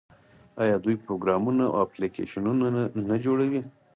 آیا دوی پروګرامونه او اپلیکیشنونه نه جوړوي؟